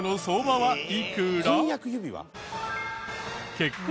はい。